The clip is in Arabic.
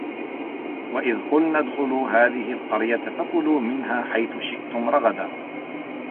وَإِذْ قُلْنَا ادْخُلُوا هَٰذِهِ الْقَرْيَةَ فَكُلُوا مِنْهَا حَيْثُ شِئْتُمْ رَغَدًا